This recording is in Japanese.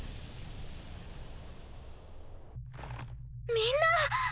みんな！